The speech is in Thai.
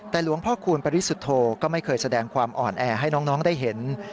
แต่หลวงพ่อคูณปริสุทธโธก็ไม่เคยแสดงความอ่อนแอให้น้องได้เห็น